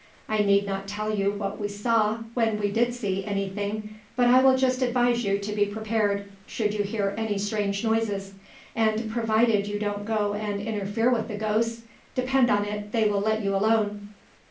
I need not tell you what we saw when we did see any thing, but I will just advise you to be prepared, should you hear any strange noises; and provided you don't go and interfere with the ghosts, depend upon it they will let you alone."